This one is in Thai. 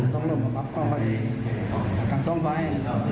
ต้องโลกมาปรับกรรมการซ่อมไฟ